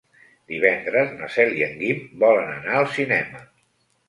Divendres na Cel i en Guim volen anar al cinema.